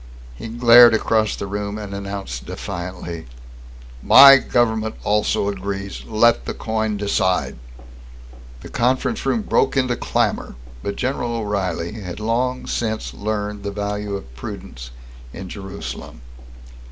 He glared across the room and announced defiantly: "My government also agrees! Let the coin decide!" The conference broke into clamor, but General O'Reilly had long since learned the value of prudence in Jerusalem.